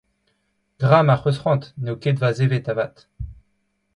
Gra mar 'c'h eus c'hoant, n'eo ket va zevet avat.